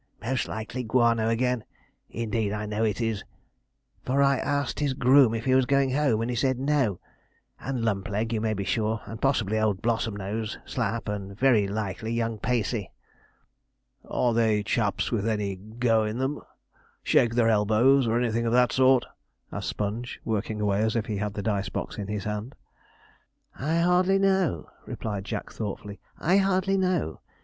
'Most likely Guano again; indeed, I know he is, for I asked his groom if he was going home, and he said no; and Lumpleg, you may be sure, and possibly old Blossomnose, Slapp, and, very likely, young Pacey.' 'Are they chaps with any "go" in them? shake their elbows, or anything of that sort?' asked Sponge, working away as if he had the dice box in his hand. 'I hardly know,' replied Jack thoughtfully. 'I hardly know.